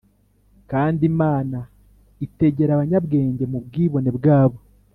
Kandi Imana itegera abanyabwenge mu bwibone bwabo